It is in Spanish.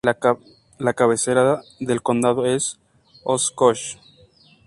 La cabecera del condado es Oshkosh.